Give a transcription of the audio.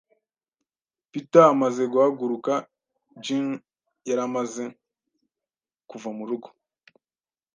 Peter amaze guhaguruka, Jean yari amaze kuva mu rugo.